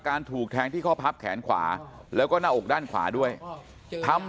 ถูกแทงที่ข้อพับแขนขวาแล้วก็หน้าอกด้านขวาด้วยทำ